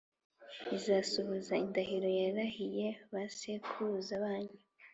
izasohoza indahiro yarahiye ba sekuruza banyu